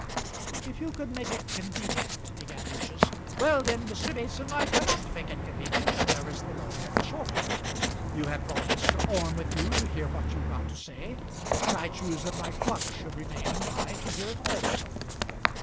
"If you could make it convenient " began Lucius. "Well, then, Mr. Mason, I cannot make it convenient, and there is the long and the short of it. You have brought Mr. Orme with you to hear what you've got to say, and I choose that my clerk shall remain by to hear it also.